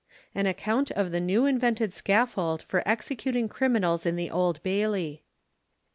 _An Account of the new invented Scaffold for Executing Criminals in the Old Bailey.